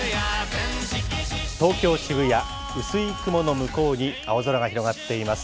東京・渋谷、薄い雲の向こうに青空が広がっています。